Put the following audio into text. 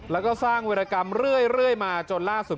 แล้วก็สร้างวิรกรรมเรื่อยมาจนล่าสุด